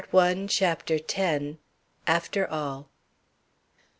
_" CHAPTER X. AFTER ALL.